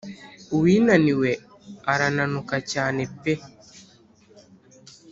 uwinaniwe arananuka cyane pe